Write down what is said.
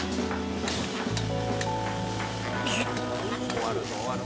終わるぞ終わるぞ。